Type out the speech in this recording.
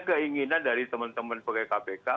keinginan dari teman teman pegawai kpk